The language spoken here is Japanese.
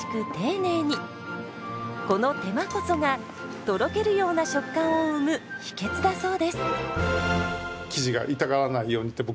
この手間こそがとろけるような食感を生む秘訣だそうです。